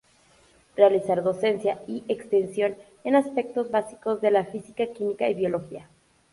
Realizar docencia y extensión en aspectos básicos de la física, química y biología.